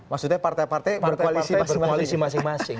maksudnya partai partai berkoalisi berkoalisi masing masing